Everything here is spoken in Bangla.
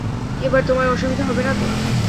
এবার তোমার অসুবিধা হবে না তো?